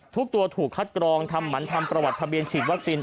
ทุกตัวถูกคัดกรองทำหมันทำประวัติทะเบียนฉีดวัคซีน